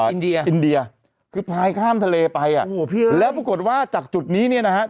อินเดียอินเดียคือพายข้ามทะเลไปอ่ะโอ้โหพี่แล้วปรากฏว่าจากจุดนี้เนี่ยนะฮะ